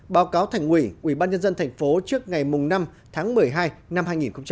báo cáo thành ủy ubnd tp trước ngày năm tháng một mươi hai năm hai nghìn một mươi chín